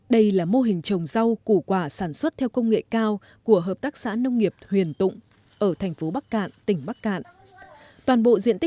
đây là mô hình trồng rau củ quả sản xuất theo công nghệ cao của hợp tác xã nông nghiệp huyền tụng ở thành phố bắc cạn tỉnh bắc cạn